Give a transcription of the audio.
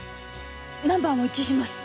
ナンバーも一致します。